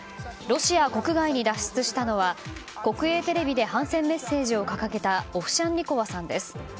ロシア国外に脱出したのは国営テレビで反戦メッセージを掲げたオフシャンニコワさんです。